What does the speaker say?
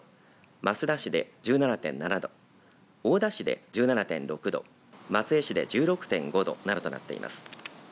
益田市で１７．７度大田市で１７．６度松江市で１６．５度などとなっています。